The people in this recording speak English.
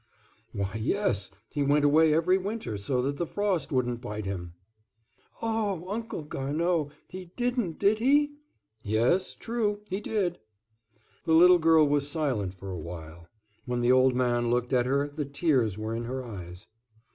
"Why, yes; he went away every winter, so that the frost wouldn't bite him." "Oh! Uncle Garnaud, he didn't, did he?" "Yes, true, he did." The little girl was silent for a while; when the old man looked at her the tears were in her eyes.